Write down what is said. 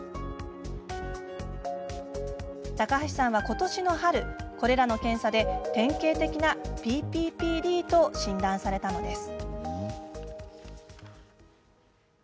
高橋さんは今年の春これらの検査で典型的なＰＰＰＤと診断されたのです。